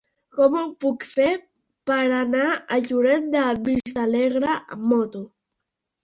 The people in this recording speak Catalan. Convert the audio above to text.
Com ho puc fer per anar a Lloret de Vistalegre amb moto?